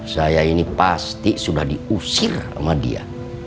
saya ini pasti sudah diusir sama dia